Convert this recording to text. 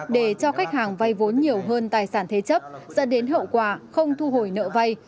để cho khách hàng vay vốn nhiều hơn tài sản thế chấp dẫn đến hậu quả không thu hồi nợ vay